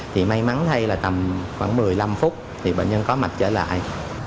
thì may mắn thay là tầm khoảng một mươi năm phút thì bệnh nhân có mạch trở lại